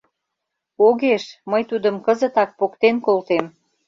Огеш, мый тудым кызытак поктен колтем.